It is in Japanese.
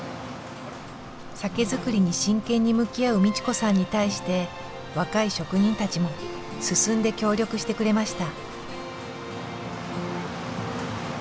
酒造りに真剣に向き合う美智子さんに対して若い職人たちも進んで協力してくれました。